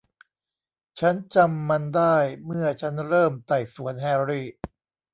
ฉันจำมันได้เมื่อฉันเริ่มไต่สวนแฮร์รี่